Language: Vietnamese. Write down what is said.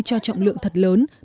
cho trọng lượng thật lớn